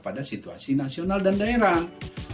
pada situasi nasional dan daerah